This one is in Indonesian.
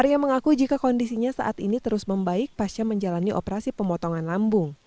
arya mengaku jika kondisinya saat ini terus membaik pasca menjalani operasi pemotongan lambung